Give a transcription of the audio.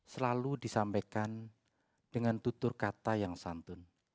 selalu disampaikan dengan tutur kata yang santun